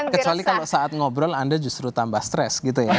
kecuali kalau saat ngobrol anda justru tambah stres gitu ya